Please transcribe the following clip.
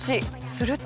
すると。